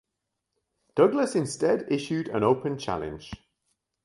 Douglas instead issued an open challenge.